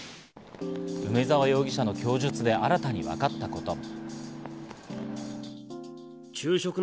梅沢容疑者の供述で新たに分かったことも。